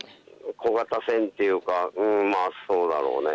小型船というかそうだろうね。